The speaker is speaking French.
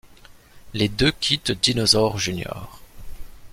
Les deux quittent Dinosaur Jr.